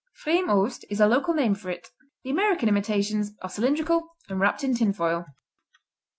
Frimost is a local name for it. The American imitations are cylindrical and wrapped in tin foil.